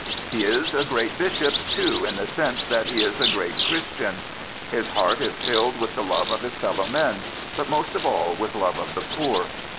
He is a great bishop, too, in the sense that he is a great Christian. His heart is filled with the love of his fellow men, but most of all with love of the poor.